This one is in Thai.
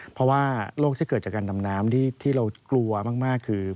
เพราะว่าโรคที่เกิดจากการดำน้ำที่เรากลัวมากคือ